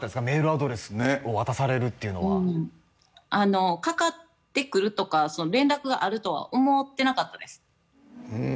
メールアドレスを渡されるっていうのはあのかかってくるとか連絡があるとは思ってなかったです